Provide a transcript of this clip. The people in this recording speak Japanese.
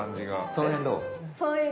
その辺どう？